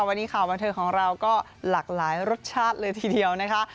วันนี้ข่าวบันเทิงของเราก็หลากหลายรสชาติเลยทีเดียวนะคะ